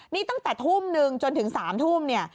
นี่ตั้งแต่ทุ่มนึงจนถึง๓ทุ่มเนี่ย